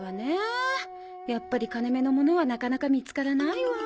やっぱり金目のものはなかなか見つからないわ。